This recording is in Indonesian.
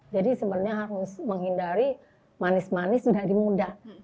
jadi sebenarnya harus menghindari manis manis dari muda